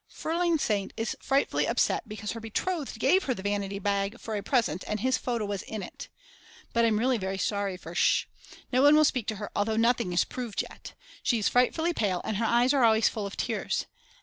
Frl. St. is frightfully upset because her betrothed gave her the vanity bag for a birthday present and his photo was in it. But I'm really sorry for Sch. Nobody will speak to her although nothing is proved yet. She is frightfully pale and her eyes are always full of tears.